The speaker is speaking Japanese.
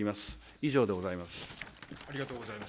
以上でございます。